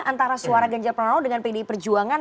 antara suara ganjar pranowo dengan pdi perjuangan